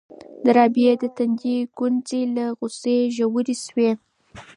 د رابعې د تندي ګونځې له غوسې ژورې شوې.